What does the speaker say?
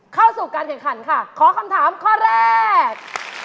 เข้าสู่การแข่งขันค่ะขอคำถามข้อแรก